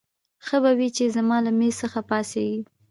ښه به وي چې زما له مېز څخه پاڅېږې.